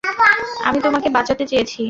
আমি তোমাকে বাঁচাতে চেয়েছি।